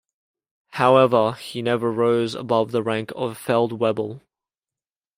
However, he never rose above the rank of Feldwebel.